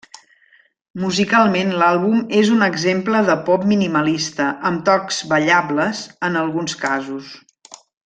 Musicalment l'àlbum és un exemple de pop minimalista, amb tocs ballables en alguns casos.